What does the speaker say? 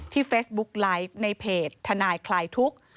เฟซบุ๊กไลฟ์ในเพจทนายคลายทุกข์